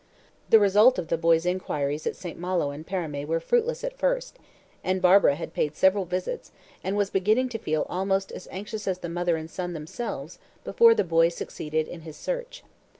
The result of the boy's inquiries at St. Malo and Paramé were fruitless at first, and Barbara had paid several visits, and was beginning to feel almost as anxious as the mother and son themselves before the boy succeeded in his search.